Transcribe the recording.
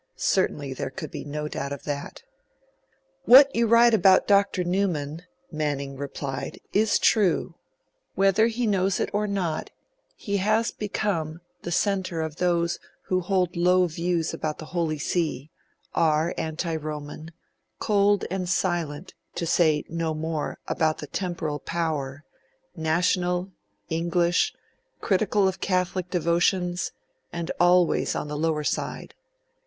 Certainly there could be no doubt of that. 'What you write about Dr Newman,' Manning replied, 'is true. Whether he knows it or not, he has become the centre of those who hold low views about the Holy See, are anti Roman, cold and silent, to say no more, about the Temporal Power; national, English, critical of Catholic devotions, and always on the lower side....